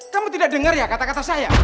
kamu tidak dengar ya kata kata saya